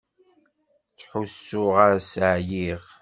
Ttḥussuɣ-as ɛyiɣ.